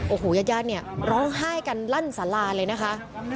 โอ้โหยัดเนี่ยร้องไห้กันลั่นสลานเลยนะคะ